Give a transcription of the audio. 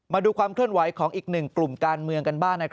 มาดูความเคลื่อนไหวของอีกหนึ่งกลุ่มการเมืองกันบ้าง